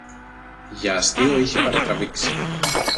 Για αστείο είχε παρατραβήξει